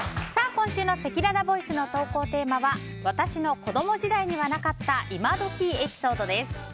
今週のせきららボイスの投稿テーマは私の子供時代にはなかった今どきエピソードです。